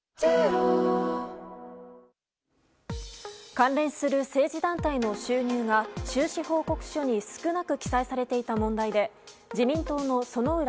関連する政治団体の収入が収支報告書に少なく記載されていた問題で自民党の薗浦